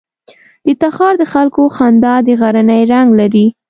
د تخار د خلکو خندا د غرنی رنګ لري.